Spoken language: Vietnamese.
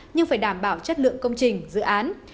nhưng phải đảm bảo chất lượng công trình dự án